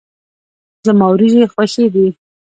زما وريجي خوښي دي.